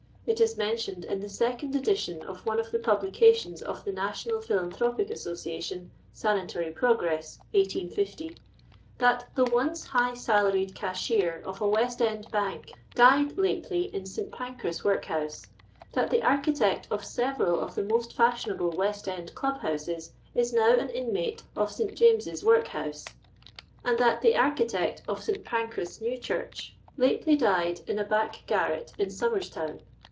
It is mentioned in the second edition of one of the publications of the National Philanthropic Association, "Sanatory Progress" (1850), " that the once high salaried cashier of a West end bank died lately in St. Pancros workhouse ;— that the architect of several of the most fa&hionable West end club houses is now an inmate of St. James's workhouse ;— and that the architect of St. Pancros* New Church lately died in a back garret in Somcrs town.